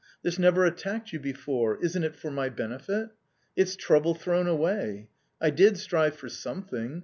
This never attacked you before. Isn't it for my benefit ? It's trouble thrown away ! I did strive for something